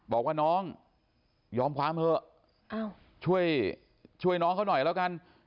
บอกว่าน้องยอมความเถอะช่วยน้องเขาหน่อยแล้วกัน